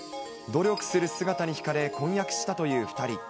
努力する姿にひかれ、婚約したという２人。